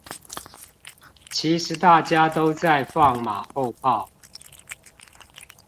其實大家都在放馬後炮！